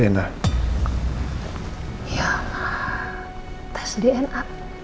ya allah tes dna